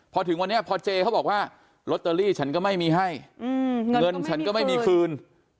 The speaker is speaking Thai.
พอถึงวันนี้พอเจเขาบอกว่าลอตเตอรี่ฉันก็ไม่มีให้เงินฉันก็ไม่มีคืน